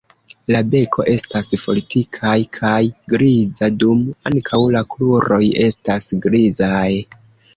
La beko estas fortikaj kaj griza, dum ankaŭ la kruroj estas grizaj.